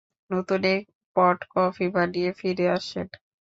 নতুন এক pot coffee বানিয়ে ফিরে আসেন।